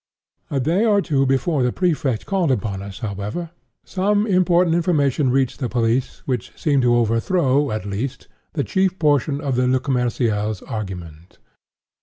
A day or two before the Prefect called upon us, however, some important information reached the police, which seemed to overthrow, at least, the chief portion of Le Commerciel's argument.